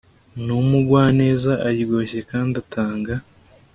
ni umugwaneza aryoshye kandi atanga